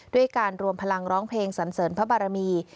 ด้วยการรวมพลังร้องเพลงสันเสริญพระบารมี